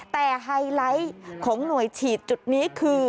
แต่ไฮไลท์ของหน่วยฉีดจุดนี้คือ